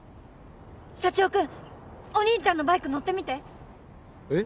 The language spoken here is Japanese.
サチオくんお兄ちゃんのバイク乗ってみてえっ？